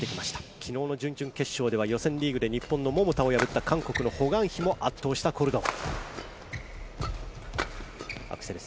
昨日の準々決勝では予選リーグで日本の桃田を破った韓国のホ・グァンヒも圧倒したコルドン。